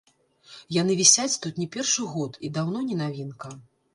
Яны вісяць тут не першы год і даўно не навінка.